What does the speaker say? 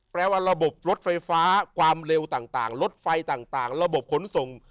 แปลว่าระบบรถไฟฟ้าความเร็วต่างรถไฟต่างระบบขนส่ง